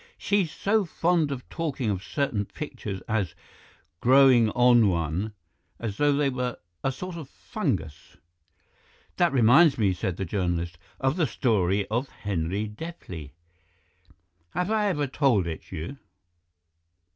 "She's so fond of talking of certain pictures as 'growing on one,' as though they were a sort of fungus." "That reminds me," said the journalist, "of the story of Henri Deplis. Have I ever told it you?"